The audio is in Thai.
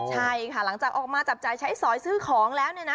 ใช่ค่ะหลังจากออกมาจับจ่ายใช้สอยซื้อของแล้วเนี่ยนะ